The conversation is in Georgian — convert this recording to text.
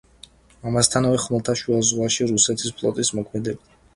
ამასთანავე, ხმელთაშუა ზღვაში რუსეთის ფლოტიც მოქმედებდა.